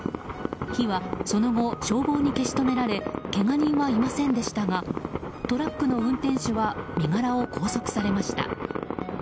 火は、その後消防に消し止められけが人はいませんでしたがトラックの運転手は身柄を拘束されました。